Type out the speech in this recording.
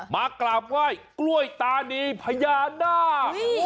มากราบไหว้กล้วยตานีพญานาค